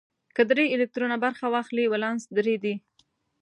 که درې الکترونه برخه واخلي ولانس درې دی.